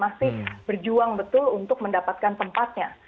masih berjuang betul untuk mendapatkan tempatnya